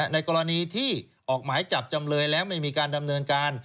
ในกรณีที่ออกหมายจับจำเลยแล้วไม่มีการดำเนินการ